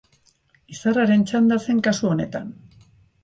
Izarraren txanda zen kasu honetan.